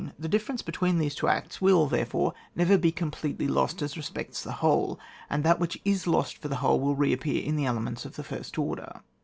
The difference between these two acts will, therefore, never be completely lost, as respects the whole, and that which is lost for the whole will re appear in the elements of the first order.